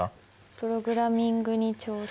「プログラミングに挑戦！」。